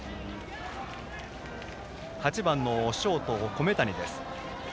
８番のショート米谷です。